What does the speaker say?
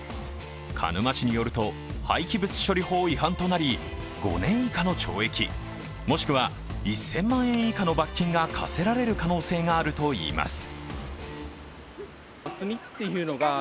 鹿沼市によると廃棄物処理法違反となり５年以下の懲役もしくは１０００万円以下の罰金が科せられる可能性があるといいます。